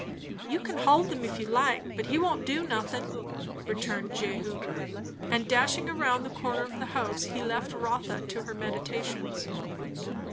"You can hold 'em if you like, but he won't do nothin'," returned Jehu. And dashing round the corner of the house, he left Rotha to her meditations.